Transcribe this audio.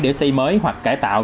để xây mới hoặc cải tạo